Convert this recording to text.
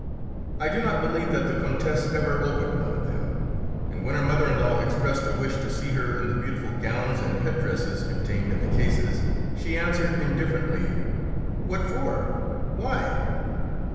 I do not believe that the Countess ever opened one of them, and when her mother in law expressed a wish to see her in the beautiful gowns and head dresses contained in the cases, she answered indifferently: "What for? Why?"